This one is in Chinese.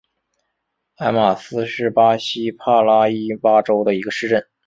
埃马斯是巴西帕拉伊巴州的一个市镇。